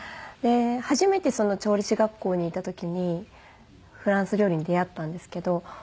で初めてその調理師学校にいた時にフランス料理に出会ったんですけど。